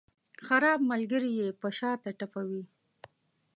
خراب ملګري یې په شاته ټپوي.